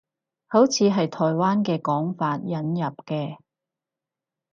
好似係台灣嘅講法，引入嘅